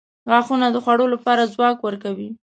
• غاښونه د خوړلو لپاره ځواک ورکوي.